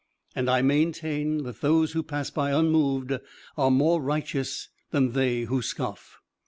And I maintain that those who pass by unmoved are more righteous than they who scoff.